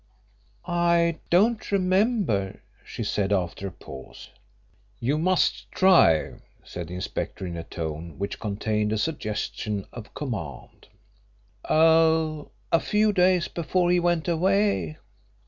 "I don't remember," she said, after a pause. "You must try," said the inspector, in a tone which contained a suggestion of command. "Oh, a few days before he went away."